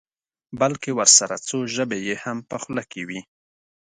بلکې ورسره څو ژبې یې هم په خوله کې وي.